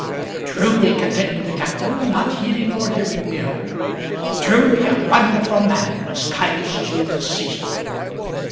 "Truly," continued the Captain, not heeding or hearing the other, "Truly a wonderful man was Caius Julius Caesar!